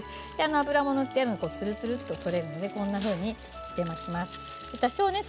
油も塗ってあるのでつるつると取れるのでこんなふうに巻きます。